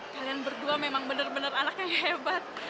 kalian berdua memang bener bener anak yang hebat